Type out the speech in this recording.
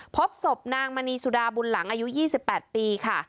พบศพนางมณีสุดาบุญหลังอายุ๒๘ปีค่ะ